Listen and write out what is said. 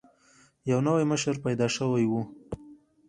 یو نوی مشر پیدا شوی وو.